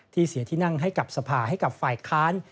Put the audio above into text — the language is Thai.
เสียที่นั่งให้กับสภาให้กับฝ่ายค้าน